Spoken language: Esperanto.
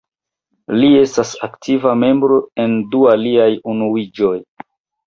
Li estas aktiva membro en du aliaj unuiĝoj.